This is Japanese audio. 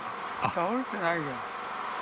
倒れてないよ。